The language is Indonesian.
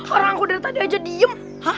orang aku dari tadi aja diem